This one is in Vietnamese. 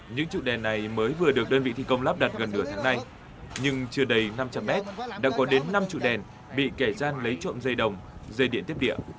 những trụ đèn này mới vừa được đơn vị thi công lắp đặt gần nửa tháng nay nhưng chưa đầy năm trăm linh mét đã có đến năm trụ đèn bị kẻ gian lấy trộm dây đồng dây điện tiếp địa